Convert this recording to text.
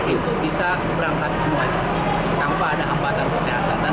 itu bisa berangkat semuanya tanpa ada hambatan kesehatan